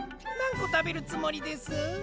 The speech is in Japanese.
なんこたべるつもりです？